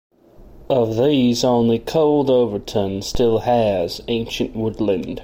Of these only Cold Overton still has ancient woodland.